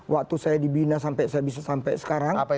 waktu saya dibina sampai saya bisa sampai sekarang